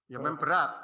ya memang berat